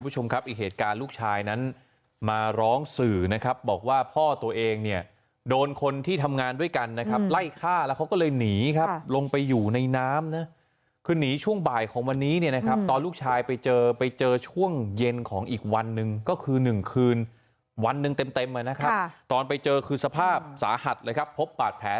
คุณผู้ชมครับอีกเหตุการณ์ลูกชายนั้นมาร้องสื่อนะครับบอกว่าพ่อตัวเองเนี่ยโดนคนที่ทำงานด้วยกันนะครับไล่ฆ่าแล้วเขาก็เลยหนีครับลงไปอยู่ในน้ำนะคือหนีช่วงบ่ายของวันนี้เนี่ยนะครับตอนลูกชายไปเจอไปเจอช่วงเย็นของอีกวันหนึ่งก็คือหนึ่งคืนวันหนึ่งเต็มเต็มนะครับตอนไปเจอคือสภาพสาหัสเลยครับพบบาดแผล